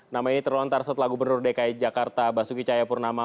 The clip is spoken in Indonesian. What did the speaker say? nama ini terlontar setelah gubernur dki jakarta basuki cahayapurnama